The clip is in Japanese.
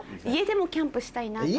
家でもキャンプしたいのね。